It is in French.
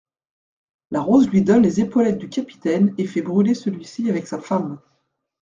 La Rose lui donne les épaulettes du capitaine et fait brûler celui-ci avec sa femme.